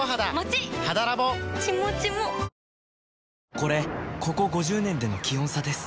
これここ５０年での気温差です